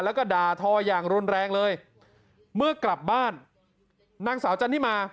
แล้วก็ด่าทออย่างรุนแรงเลยเมื่อกลับบ้านนางสาวจันทิมา